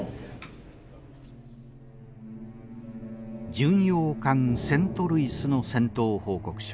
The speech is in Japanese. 巡洋艦セントルイスの戦闘報告書。